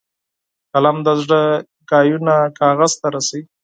قلم د زړه خبرې کاغذ ته رسوي